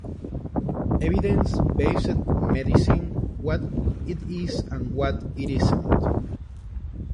Evidence based medicine: what it is and what it isn't.